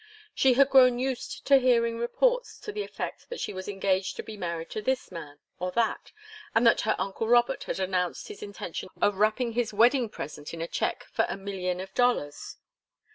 She had grown used to hearing reports to the effect that she was engaged to be married to this man, or that, and that her uncle Robert had announced his intention of wrapping his wedding present in a cheque for a million of dollars.